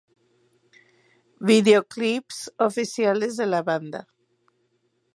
Videoclips oficiales de la banda.